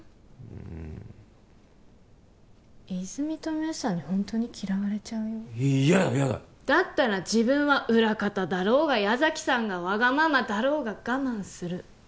うん泉実と明紗にホントに嫌われちゃうよやだやだだったら自分は裏方だろうが矢崎さんがわがままだろうが我慢する